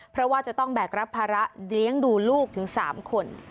เพราะว่าจะต้องแบกรับภาระเลี้ยงดูลูกถึง๓คน